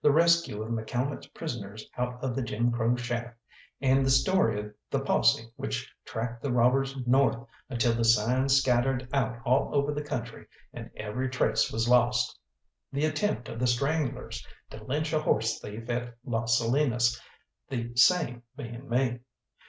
The rescue of McCalmont's prisoners out of the Jim Crow shaft, and the story of the posse which tracked the robbers north until the signs scattered out all over the country and every trace was lost. The attempt of the Stranglers to lynch a horse thief at Las Salinas, the same being me.